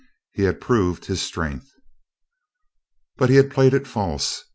He had proved his strength. But he had played it false.